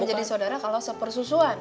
bisa jadi sodara kalau sepersusuan